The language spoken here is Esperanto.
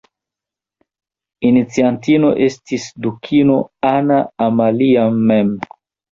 Iniciantino estis dukino Anna Amalia mem.